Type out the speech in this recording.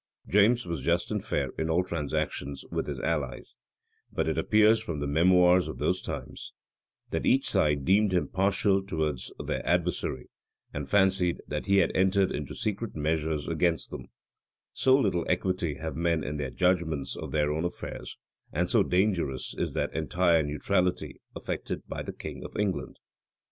James was just and fair in all transactions with his allies;[*] but it appears from the memoirs of those times, that each side deemed him partial towards their adversary, and fancied that he had entered into secret measures against them;[] so little equity have men in their judgments of their own affairs; and so dangerous is that entire neutrality affected by the king of England!